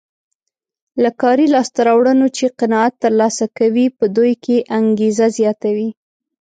له کاري لاسته راوړنو چې قناعت ترلاسه کوي په دوی کې انګېزه زیاتوي.